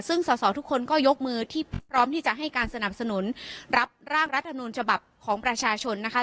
ซึ่งสอสอทุกคนก็ยกมือที่พร้อมที่จะให้การสนับสนุนรับร่างรัฐมนูญฉบับของประชาชนนะคะ